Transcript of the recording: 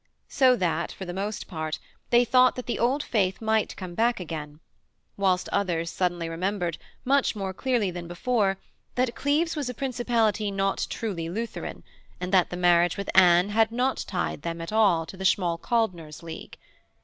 So that, for the most part, they thought that the Old Faith might come back again; whilst others suddenly remembered, much more clearly than before, that Cleves was a principality not truly Lutheran, and that the marriage with Anne had not tied them at all to the Schmalkaldner's league.